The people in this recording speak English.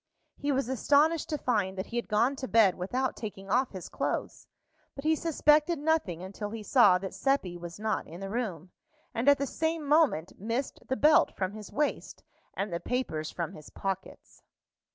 He was astonished to find that he had gone to bed without taking off his clothes, but he suspected nothing until he saw that Seppi was not in the room, and at the same moment missed the belt from his waist and the papers from his pockets.